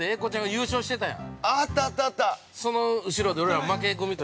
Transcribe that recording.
◆優勝してたやん。